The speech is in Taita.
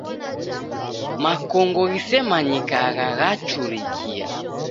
Makongo ghisemanyikagha ghachurikia